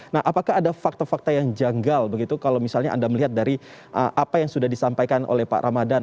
nah apakah ada fakta fakta yang janggal begitu kalau misalnya anda melihat dari apa yang sudah disampaikan oleh pak ramadhan